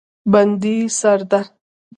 بندي سرده